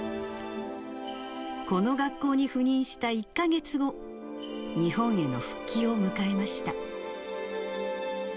この学校に赴任した１か月後、日本への復帰を迎えました。